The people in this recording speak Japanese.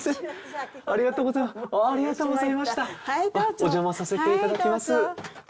おじゃまさせていただきます。